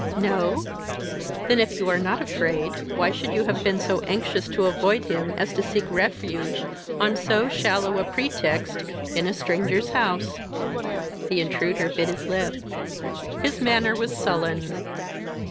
"No? Then if you are not afraid, why should you have been so anxious to avoid him as to seek refuge, on so shallow a pretext, in a stranger's house?" The intruder bit his lip. His manner was sullen.